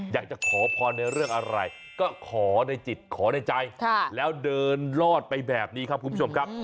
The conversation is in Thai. อยากจะขอพรในเรื่องอะไรก็ขอในจิตขอในใจแล้วเดินรอดไปแบบนี้ครับคุณผู้ชมครับ